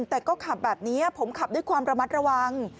แต่ก็ขับแบบนี้ผมขับด้วยความระมัดระวัง